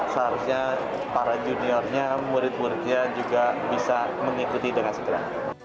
seharusnya para juniornya murid muridnya juga bisa mengikuti dengan segera